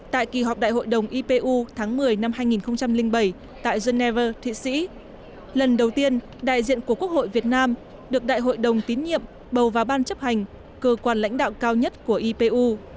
tại kỳ họp đại hội đồng ipu tháng một mươi năm hai nghìn bảy tại geneva thụy sĩ lần đầu tiên đại diện của quốc hội việt nam được đại hội đồng tín nhiệm bầu vào ban chấp hành cơ quan lãnh đạo cao nhất của ipu